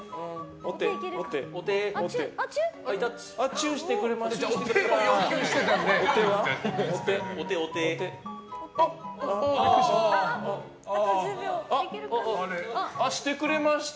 チューしてくれました。